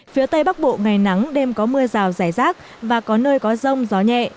phía tây bắc bộ ngày nắng đêm có mưa rào rải rác và có nơi có rông gió nhẹ